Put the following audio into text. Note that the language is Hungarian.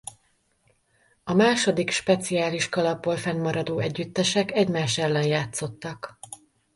A második speciális kalapból fennmaradó együttesek egymás ellen játszottak.